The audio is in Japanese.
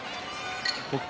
北勝